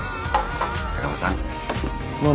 坂間さん。